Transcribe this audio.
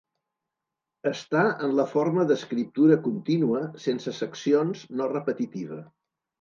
Està en la forma d'escriptura contínua, sense seccions, no repetitiva.